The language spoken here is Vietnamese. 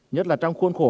nhất là trong khuôn khổ